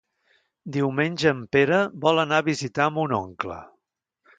Diumenge en Pere vol anar a visitar mon oncle.